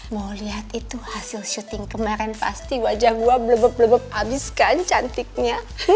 mau lihat itu hasil syuting kemarin pasti wajah gua blebep blebep abis kan cantiknya